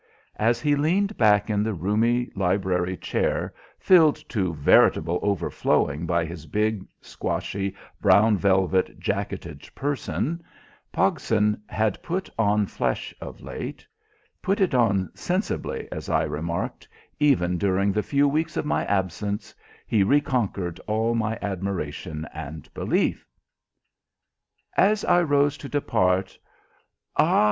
As he leaned back in the roomy library chair, filled to veritable overflowing by his big, squashy, brown velvet jacketted person Pogson had put on flesh of late; put it on sensibly, as I remarked, even during the few weeks of my absence he reconquered all my admiration and belief. As I rose to depart: "Ah!